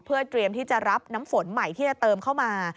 เพื่อเตรียมที่จะรับน้ำฝนใหม่ที่จะเติมเข้ามา